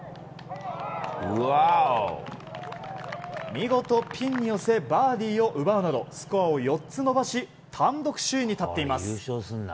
見事ピンに寄せバーディーを奪うなどスコアを４つ伸ばし単独首位に立っています。